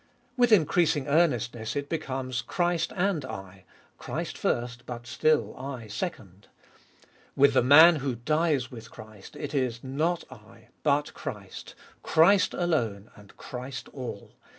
With increasing earnestness it becomes, Christ and I : Christ first, but still I second. With the man who dies with Christ it is, Not I, but Christ : Christ alone and Christ all.